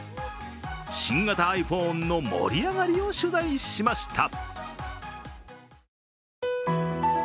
新型ｉＰｈｏｎｅの盛り上がりを取材しました。